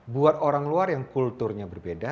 buat orang luar yang kulturnya berbeda